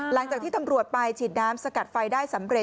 หลังจากที่ตำรวจไปฉีดน้ำสกัดไฟได้สำเร็จ